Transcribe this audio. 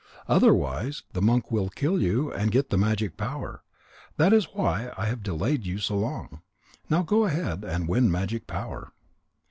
Otherwise, the monk will kill you and get the magic power. That is why I have delayed you so long. Now go ahead, and win magic power."